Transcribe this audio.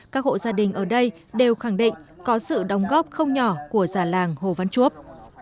các hộ gia đình ở đây đều khẳng định có sự đóng góp không nhỏ của già làng hồ văn chuộc